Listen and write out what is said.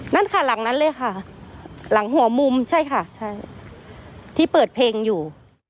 นั่นค่ะหลังนั้นเลยค่ะหลังหัวมุมใช่ค่ะใช่ที่เปิดเพลงอยู่